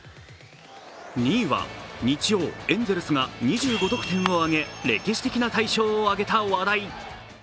２位は日曜、エンゼルスが２５得点を挙げ歴史的な大勝を挙げた話題。